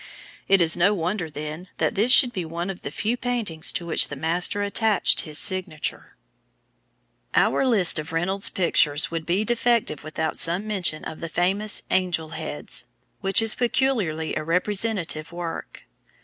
It is no wonder, then, that this should be one of the few paintings to which the master attached his signature. [Illustration: ANGEL HEADS. REYNOLDS.] Our list of Reynolds's pictures would be defective without some mention of the famous Angel Heads, which is peculiarly a representative work.